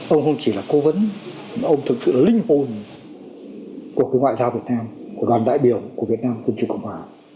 ông không chỉ là cố vấn ông thật sự là linh hồn của ngoại giao việt nam của đoàn đại biểu của việt nam dân chủ cộng hòa